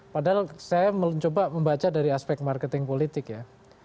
padahal saya mencoba membaca dari aspek marketing politik ya